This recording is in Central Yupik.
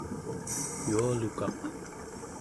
yualukaq